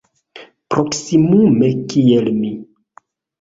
Proksimume kiel mi.